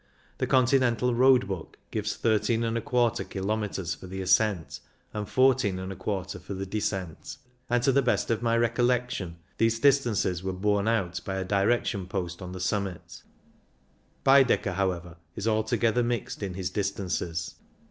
The Con tinental Road Book gives 13J kilometres for the ascent and 14J for the descent, and, to the best of my recollection, these dis tances were borne out by a direction post on the summit. Baedeker, however, is altogether mixed in his distances.